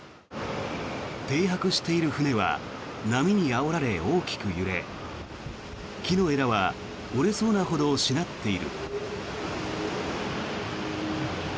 停泊している船は波にあおられ大きく揺れ木の枝は折れそうなほどしなっている。